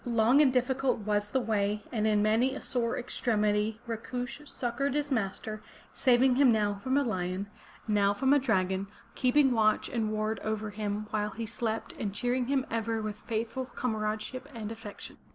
Long and difficult was the way, and in many a sore extremity Rakush succored his master, saving him now from a lion, now from a 444 FROM THE TOWER WINDOW dragon, keeping watch and ward over him while he slept and cheering him ever with faithful comradeship and affection.